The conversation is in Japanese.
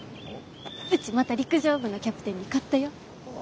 うちまた陸上部のキャプテンに勝ったよ。